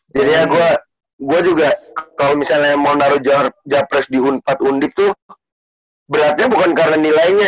jadi ya gua juga kalau misalnya mau taruh jawab jahat di empat undik tuh beratnya bukan karena nilainya